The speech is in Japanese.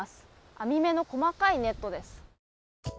網目の細かいネットです。